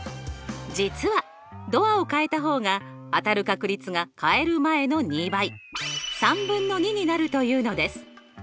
実はドアを変えた方が当たる確率が変える前の２倍３分の２になるというのです。